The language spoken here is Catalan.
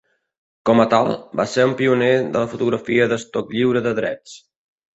Com a tal, va ser un pioner de la fotografia d'estoc lliure de drets.